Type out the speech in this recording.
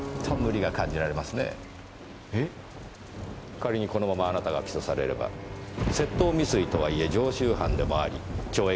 仮にこのままあなたが起訴されれば窃盗未遂とはいえ常習犯でもあり懲役